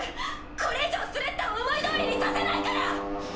これ以上スレッタを思いどおりにさせないから！